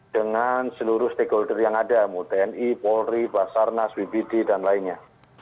dengan seluruh stakeholder yang ada mau tni polri basarnas bbd dan lainnya